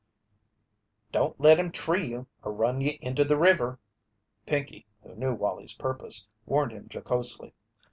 "Don't let him tree you or run you into the river." Pinkey, who knew Wallie's purpose, warned him jocosely.